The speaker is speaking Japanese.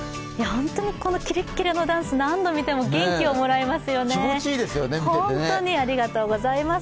本当にこのキレッキレのダンス何度見ても元気をもらえますねありがとうございます。